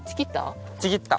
ちぎった？